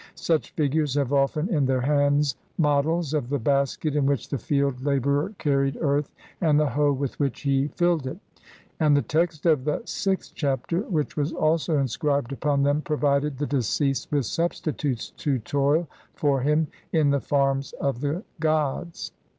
Such figures have often in their hands models of the basket in which the field labourer carried earth and the hoe with which he filled it ; and the text of the VI th Chapter, which was also inscribed upon them, provided the deceased with substitutes to toil for him in the farms of the gods.